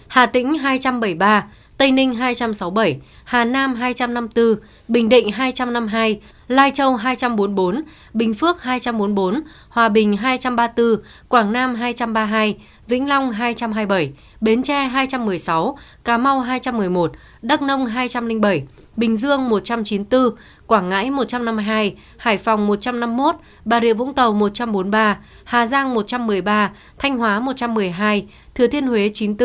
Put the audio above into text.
hà tĩnh hai trăm bảy mươi ba tây ninh hai trăm sáu mươi bảy hà nam hai trăm năm mươi bốn bình định hai trăm năm mươi hai lai châu hai trăm bốn mươi bốn bình phước hai trăm bốn mươi bốn hòa bình hai trăm ba mươi bốn quảng nam hai trăm ba mươi hai vĩnh long hai trăm hai mươi bảy bến tre hai trăm một mươi sáu cà mau hai trăm một mươi một đắk nông hai trăm linh bảy bình dương một trăm chín mươi bốn quảng ngãi một trăm năm mươi hai hải phòng một trăm năm mươi một bà rịa vũng tàu một trăm bốn mươi ba hà giang một trăm một mươi ba thanh hóa một trăm một mươi hai